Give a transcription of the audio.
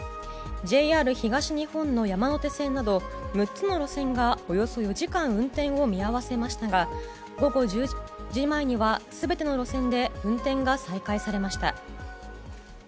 ＪＲ東日本の山手線など６つの路線がおよそ４時間運転を見合わせましたが午後１０時前には全ての路線で運転が再開されました。